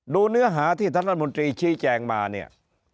เนื้อหาที่ท่านรัฐมนตรีชี้แจงมาเนี่ย